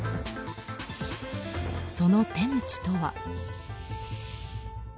その手口とは。